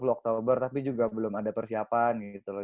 dua ribu dua puluh oktober tapi juga belum ada persiapan gitu loh